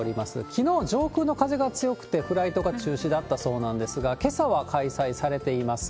きのう、上空の風が強くて、フライトが中止だったそうなんですが、けさは開催されています。